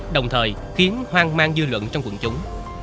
đồng thời khiến hoang mang dư luận trong quần chúng